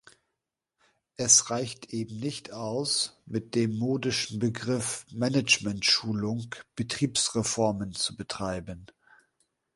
Es reicht eben nicht aus, mit dem modischen Begriff Managementschulung Betriebsreformen zu betreiben.